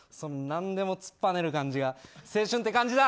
何でも突っぱねる感じが青春って感じだ。